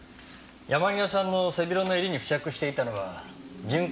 山際さんの背広の襟に付着していたのは潤滑剤でした。